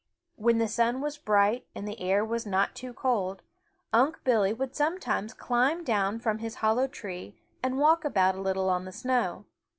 When the sun was bright and the air was not too cold, Unc' Billy would sometimes climb down from his hollow tree and walk about a little on the snow.